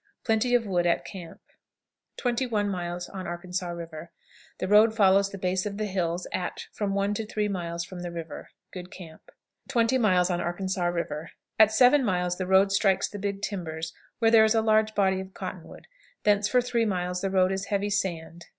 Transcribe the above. Plenty of wood at camp. 21. Arkansas River. The road follows the base of the hills at from one to three miles from the river. Good camp. 20. Arkansas River. At seven miles the road strikes the "Big Timbers," where there is a large body of cottonwood; thence for three miles the road is heavy sand.